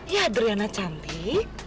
ya adriana cantik